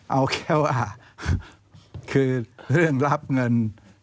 เอาแค่ว่าคือเรื่องรับเงิน